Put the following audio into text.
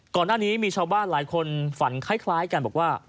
ก่อนหน้านี้มีชาวบ้านหลายคนฝันคล้ายกันบอกว่า